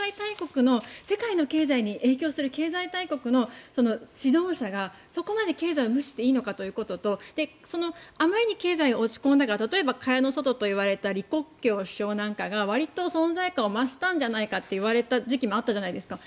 世界の経済に影響する経済大国の指導者がそこまで経済を無視していいのかということとあまりに経済が落ち込んだから蚊帳の外と言われた李克強首相なんかがわりと存在感を増したのではといわれた時期があったじゃないですか。